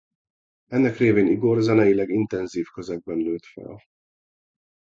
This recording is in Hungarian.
Ennek révén Igor zeneileg intenzív közegben nőtt fel.